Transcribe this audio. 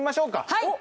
はい！